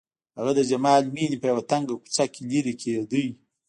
هغه د جمال مېنې په يوه تنګه کوڅه کې لېرې کېده.